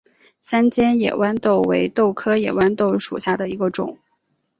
三尖野豌豆为豆科野豌豆属下的一个种。